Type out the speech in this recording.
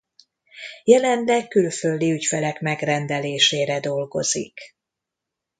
Jelenleg külföldi ügyfelek megrendelésére dolgozik.